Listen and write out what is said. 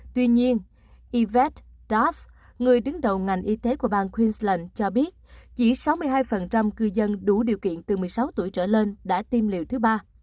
tuy nhiên ivest daps người đứng đầu ngành y tế của bang queensland cho biết chỉ sáu mươi hai cư dân đủ điều kiện từ một mươi sáu tuổi trở lên đã tiêm liều thứ ba